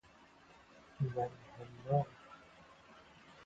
Today it is known as the John Betts Primary School.